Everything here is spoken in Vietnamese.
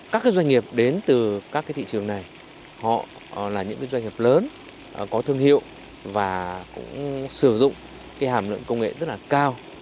các doanh nghiệp đến từ các thị trường này là những doanh nghiệp lớn có thương hiệu và sử dụng hàm lượng công nghệ rất cao